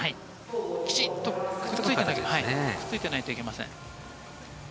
きちんとくっついていないといけません。